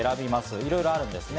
いろいろあるんですね。